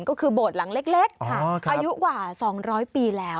ก็คือโบสถ์หลังเล็กอายุกว่า๒๐๐ปีแล้ว